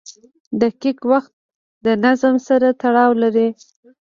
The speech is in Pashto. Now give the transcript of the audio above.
• دقیق وخت د نظم سره تړاو لري.